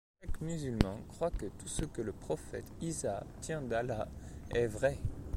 Chaque musulman croit que tout ce que le Prophète Îsâ tient d’Allah est vrai.